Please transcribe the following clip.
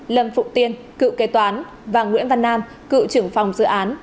lâm phụng tiên cựu kế toán và nguyễn văn nam cựu trưởng phòng dự án